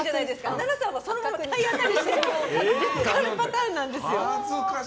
ＮＡＮＡさんはそのまま体当たりするパターンなんですよ。